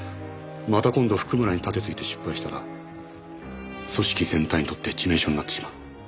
また今度譜久村に盾突いて失敗したら組織全体にとって致命傷になってしまう。